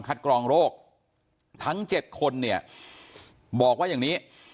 คัดกรองโรคทั้ง๗คนบอกว่าอย่างนี้